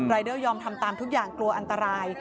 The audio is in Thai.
เดอร์ยอมทำตามทุกอย่างกลัวอันตราย